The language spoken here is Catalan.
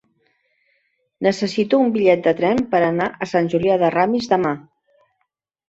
Necessito un bitllet de tren per anar a Sant Julià de Ramis demà.